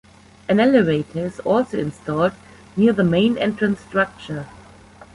An elevator is also installed near the main entrance structure.